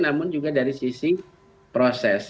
namun juga dari sisi proses